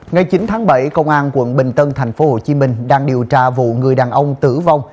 ngày chín tháng bảy công an quận bình tân thành phố hồ chí minh đang điều tra vụ người đàn ông tử vong